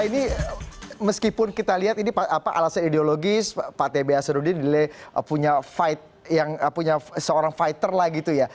ini meskipun kita lihat ini alasnya ideologis pak tba seru dia punya fight punya seorang fighter lah gitu ya